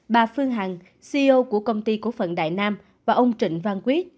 bà phương hằng ceo của công ty cổ phận đại nam và ông trịnh văn quyết